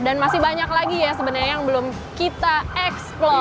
dan masih banyak lagi ya sebenernya yang belum kita eksplor